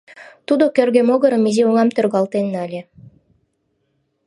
Тудо кӧргӧ могырым изи оҥам тӧргалтен нале.